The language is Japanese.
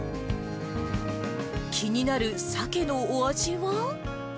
気になるさけのお味は？